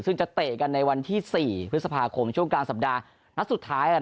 ซึ่งจะเตะกันในวันที่๔พฤษภาคมช่วงกลางสัปดาห์นัดสุดท้าย